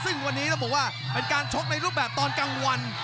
ซึ่งวันนี้ต้องบอกว่าเป็นการชกในรูปแบบตอนกลางวัน